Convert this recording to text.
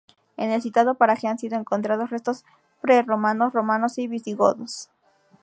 En el citado paraje han sido encontrados restos prerromanos, romanos y visigodos.